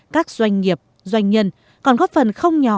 các doanh nghiệp doanh nhân còn góp phần không nhỏ